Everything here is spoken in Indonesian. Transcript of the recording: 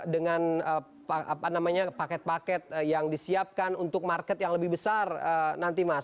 dengan paket paket yang disiapkan untuk market yang lebih besar nanti mas